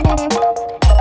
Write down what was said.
kau mau kemana